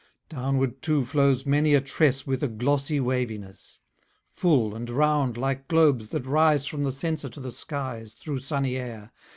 Downward too flows many a tress With a glossy waviness; Full, and round like globes that rise From the censer to the skies Through sunny air.